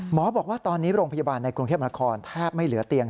บอกว่าตอนนี้โรงพยาบาลในกรุงเทพนครแทบไม่เหลือเตียง